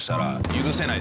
許せない？